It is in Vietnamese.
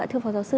thưa phó giáo sư